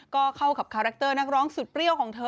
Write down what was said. ก็เข้ากับคาแรคเตอร์นักร้องสุดเปรี้ยวของเธอ